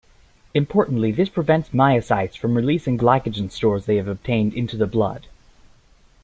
Importantly, this prevents myocytes from releasing glycogen stores they have obtained into the blood.